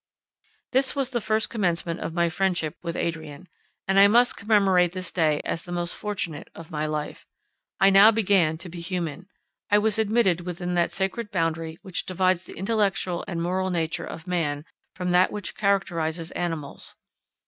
This was the first commencement of my friendship with Adrian, and I must commemorate this day as the most fortunate of my life. I now began to be human. I was admitted within that sacred boundary which divides the intellectual and moral nature of man from that which characterizes animals.